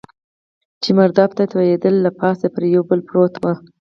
چې مرداب ته توېېدل، له پاسه پرې یو پل پروت و.